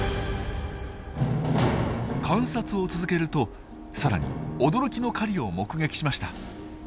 観察を続けるとさらに驚きの狩りを目撃しました。